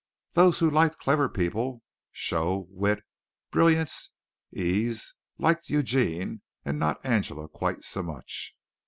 Those who liked clever people, show, wit, brilliance, ease, liked Eugene and not Angela quite so much.